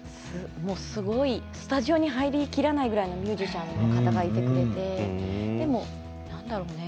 スタジオに入りきらないぐらいのミュージシャンの方がいて何だろうね